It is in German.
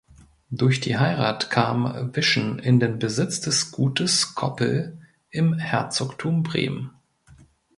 Durch die Heirat kam Wischen in den Besitz des Gutes Koppel im Herzogtum Bremen.